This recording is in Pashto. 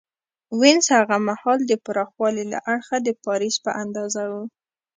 وینز هغه مهال د پراخوالي له اړخه د پاریس په اندازه و